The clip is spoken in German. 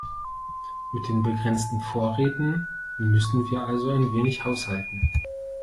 Mit den begrenzten Vorräten müssen wir also ein wenig haushalten.